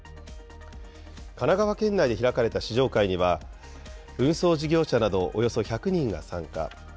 神奈川県内で開かれた試乗会には、運送事業者などおよそ１００人が参加。